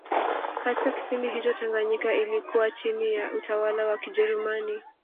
Katika kipindi hicho Tanganyika ilikuwa chini ya utawala wa Kijerumani